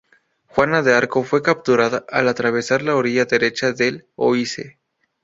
Juana de Arco fue capturada al atravesar la orilla derecha del Oise.